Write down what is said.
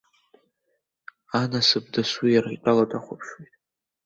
Анасыԥ дасу иара итәала дахәаԥшуеит.